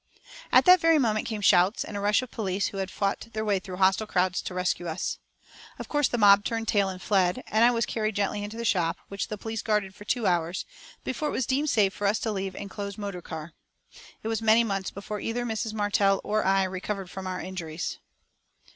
At that very moment came shouts, and a rush of police who had fought their way through hostile crowds to rescue us. Of course the mob turned tail and fled, and I was carried gently into the shop, which the police guarded for two hours, before it was deemed safe for us to leave in a closed motor car. It was many months before either Mrs. Martel or I recovered from our injuries.